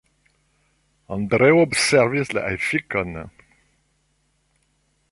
Andreo observis la efikon.